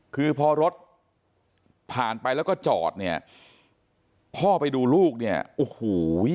คือพอรถผ่านไปแล้วก็จอดเนี่ยพ่อไปดูลูกเนี่ยโอ้โห